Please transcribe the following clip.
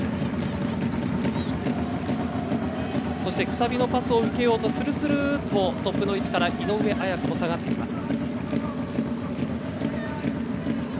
くさびのパスを受けようとスルスルッとトップの位置から井上綾香も下がってきます。